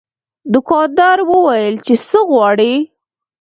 دوکاندار وویل چې څه غواړې.